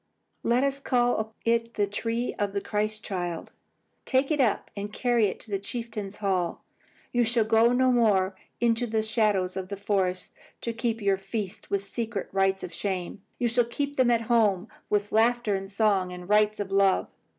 Let us call it the tree of the Christ child. Take it up and carry it to the chieftain's hall. You shall go no more into the shadows of the forest to keep your feasts with secret rites of shame. You shall keep them at home, with laughter and song and rites of love.